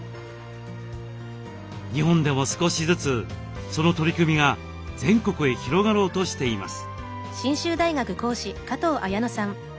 日本でも少しずつその取り組みが全国へ広がろうとしています。